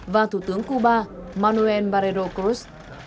và thủ tướng cuba manuel barreiro cruz